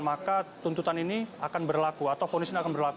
maka tuntutan ini akan berlaku atau fonis ini akan berlaku